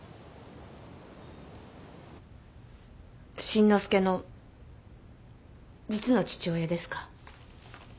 新之介の実の父親ですか？